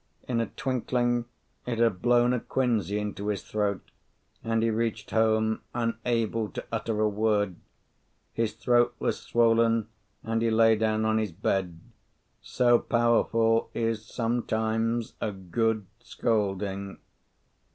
In a twinkling it had blown a quinsy into his throat, and he reached home unable to utter a word. His throat was swollen, and he lay down on his bed. So powerful is sometimes a good scolding!